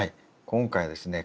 今回はですね